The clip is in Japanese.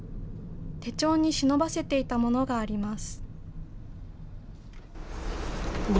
手帳に忍ばせていたものがあります。